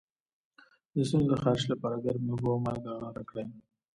د ستوني د خارش لپاره ګرمې اوبه او مالګه غرغره کړئ